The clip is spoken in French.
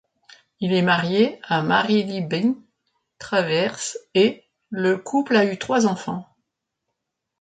Il s'est marié à Marie Libbie Travers, et le couple a eu trois enfants.